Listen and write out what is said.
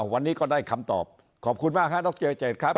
วันนี้ก็ได้คำตอบขอบคุณมากฮะดรเจเจตครับ